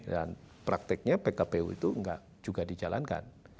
dan praktiknya pkpu itu enggak juga dijalankan